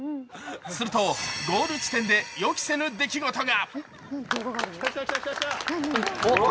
するとゴール地点で予期せぬ出来事が。